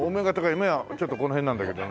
目はちょっとこの辺なんだけどね。